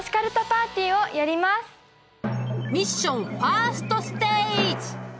ミッションファーストステージ！